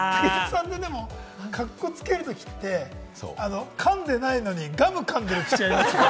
でも、カッコつけるときって、噛んでないのにガム噛んでる節ありますよね？